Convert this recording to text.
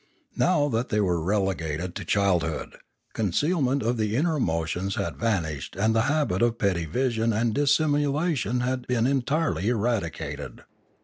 Now that they were 576 Limanora relegated to childhood, concealment of the inner emo tions had vanished and the habit of petty evasion and dissimulation had been entirely eradicated.